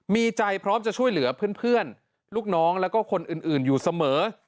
มีใจพร้อมจะช่วยเหลือเพื่อนลูกน้องแล้วก็คนอื่นอยู่เสมอ